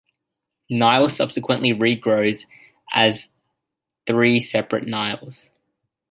Neil subsequently re-grows as three separate Neils.